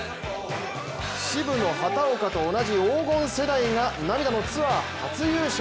渋野・畑岡と同じ黄金世代が涙のツアー初優勝。